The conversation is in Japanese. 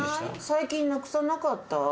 最近なくさなかった？